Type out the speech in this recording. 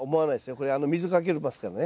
これ水かけますからね。